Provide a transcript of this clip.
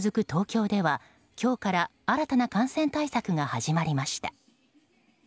東京では今日から新たな感染対策が始まりました。